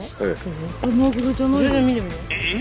えっ！